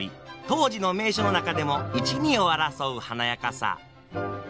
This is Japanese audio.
当時の名所の中でも一二を争う華やかさ。